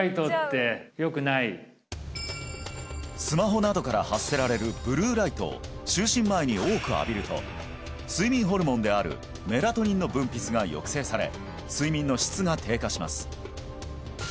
スマホなどから発せられるブルーライトを就寝前に多く浴びると睡眠ホルモンであるメラトニンの分泌が抑制され睡眠の質が低下します